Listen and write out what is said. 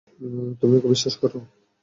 তুমি ওকে বিশ্বাস কর?